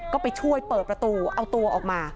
ก็ไปช่วยเปิดประตูเอาตัวออกมา